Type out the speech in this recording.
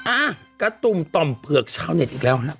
อ่ะกระตุ่มต่อมเผือกชาวเน็ตอีกแล้วฮะ